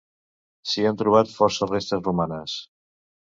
S'hi han trobat força restes romanes.